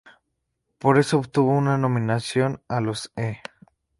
Por esto, obtuvo una nominación a los E!